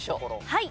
はい。